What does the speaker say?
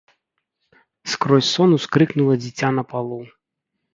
Скрозь сон ускрыкнула дзіця на палу.